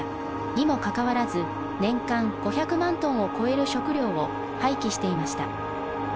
にもかかわらず年間５００万トンを超える食料を廃棄していました。